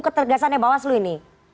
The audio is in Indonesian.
ketergasannya bawaslu ini